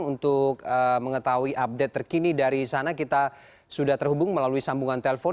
untuk mengetahui update terkini dari sana kita sudah terhubung melalui sambungan telepon